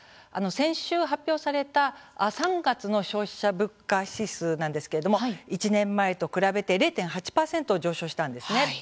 先週発表された、３月の消費者物価指数なんですけれども１年前と比べて０．８％上昇したんですね。